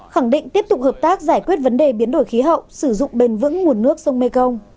khẳng định tiếp tục hợp tác giải quyết vấn đề biến đổi khí hậu sử dụng bền vững nguồn nước sông mekong